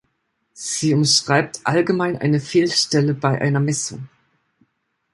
Sie umschreibt allgemein eine Fehlstelle bei einer Messung.